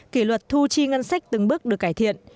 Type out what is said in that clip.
kỷ luật thu chi ngân sách từng bước được cải thiện